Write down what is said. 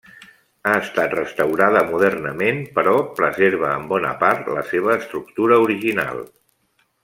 Ha estat restaurada modernament però preserva en bona part la seva estructura original.